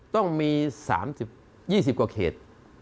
ต้องมี๓๐๒๐กว่าเขต